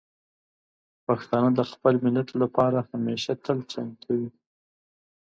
پښتانه د خپل ملت لپاره همیشه تل چمتو دي.